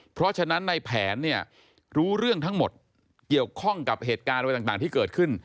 เพราะฉะนั้นในแผนเนี่ยรู้เรื่องทั้งหมดเกี่ยวข้องกับเหตุการณ์อะไรต่างที่เกิดขึ้น